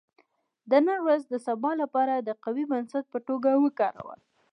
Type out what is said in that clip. • د نن ورځ د سبا لپاره د قوي بنسټ په توګه وکاروه.